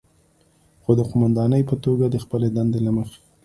خو د قوماندانې په توګه د خپلې دندې له مخې،